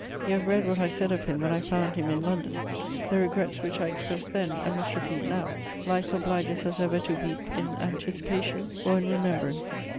You have read what I said of him when I found him in London; the regrets which I expressed then I must repeat now: life obliges us ever to weep in anticipation or in remembrance.